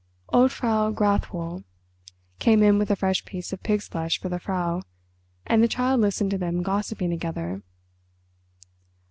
Old Frau Grathwohl came in with a fresh piece of pig's flesh for the Frau, and the Child listened to them gossiping together.